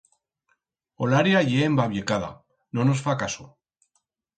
Olaria ye embabiecada, no nos fa caso.